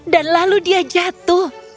dan lalu dia jatuh